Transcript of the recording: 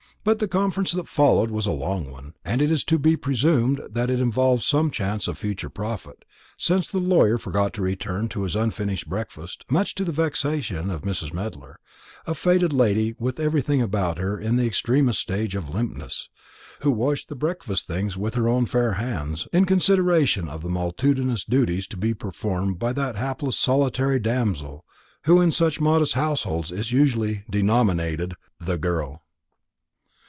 But the conference that followed was a long one; and it is to be presumed that it involved some chance of future profit, since the lawyer forgot to return to his unfinished breakfast, much to the vexation of Mrs. Medler, a faded lady with everything about her in the extremest stage of limpness, who washed the breakfast things with her own fair hands, in consideration of the multitudinous duties to be performed by that hapless solitary damsel who in such modest households is usually denominated "the girl."